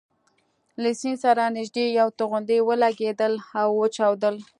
له سیند سره نژدې یوه توغندۍ ولګېدل او وچاودل.